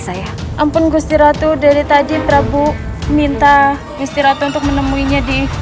saya ampun gusti ratu dari tadi prabu minta gusti ratu untuk menemuinya di